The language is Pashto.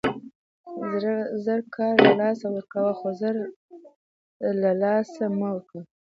زر کاره له لاسه ورکوه، خو زرکه له له لاسه مه ورکوه!